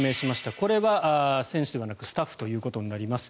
これは選手ではなくスタッフということになります。